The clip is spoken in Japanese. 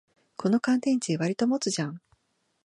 この乾電池、わりと持つじゃん